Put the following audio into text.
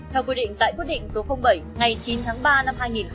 theo quy định tại quyết định số bảy ngày chín tháng ba năm hai nghìn một mươi